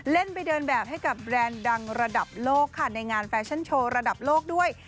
เล่นไปเดินแบบให้กับแบรนด์ดังระดับโลกค่ะในงานแฟชั่นโชว์ระดับโลกด้วย